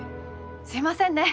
すいませんね！